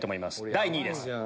第２位です。